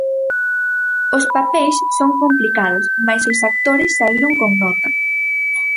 Os papeis son complicados mais os actores saíron con nota.